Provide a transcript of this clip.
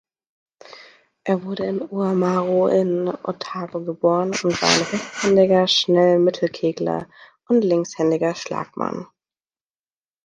Er wurde in Oamaru in Otago geboren und war ein rechtshändiger Schnell-Mittel-Kegler und linkshändiger Schlagmann.